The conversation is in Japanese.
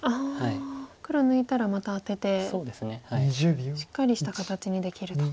黒抜いたらまたアテてしっかりした形にできると。